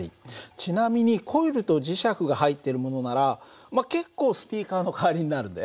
ちなみにコイルと磁石が入っているものなら結構スピーカーの代わりになるんだよ。